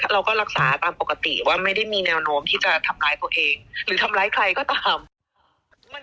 เราก็รักษาตามปกติว่าไม่ได้มีแนวโน้มที่จะทำร้ายตัวเอง